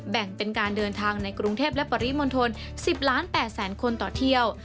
แบ่งเป็นการเดินทางในกรุงเทพและปริมณฑล๑๐ล้าน๘แสนคนต่อเที่ยว